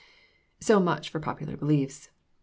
So much for popular beliefs.